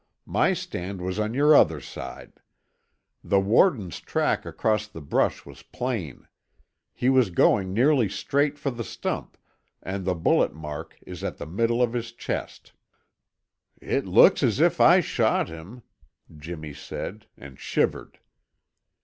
My stand was on your other side. The warden's track across the brush was plain. He was going nearly straight for the stump and the bullet mark is at the middle of his chest." "It looks as if I shot him," Jimmy said and shivered.